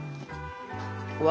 うわ！